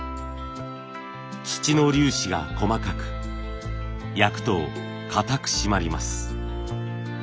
土の粒子が細かく焼くとかたく締まります。